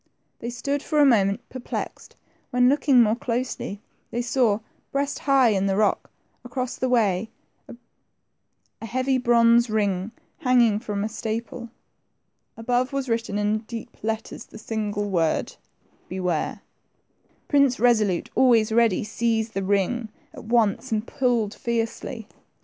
They stood for a moment perplexed, when, looking more closely, they saw, breast high in the rock across the way, a heavy bronze ring hanging from a staple. Above was written in deep letters the single word, Beware !" Prince Resolute, always ready, seized the ring at 78 THE TWO PRINCES. once, and pulled fiercely.